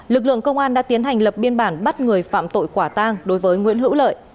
lực lượng công an đã tiến hành lập biên bản bắt người phạm tội quả tang đối với nguyễn hữu lợi